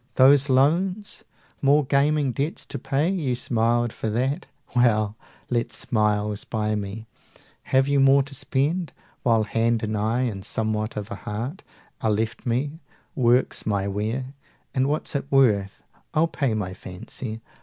Those loans? More gaming debts to pay? You smiled for that? Well, let smiles buy me! Have you more to spend? While hand and eye and something of a heart Are left me, work's my ware, and what's it worth? 225 I'll pay my fancy.